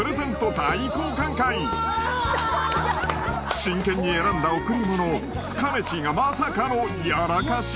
大交換会真剣に選んだ贈り物をかねちーがまさかのやらかし？